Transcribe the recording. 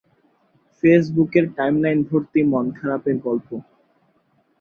ফেসবুকের টাইমলাইনভর্তি মন খারাপের গল্প।